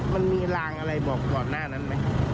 มันมีรางอะไรบอกก่อนหน้านั้นไหม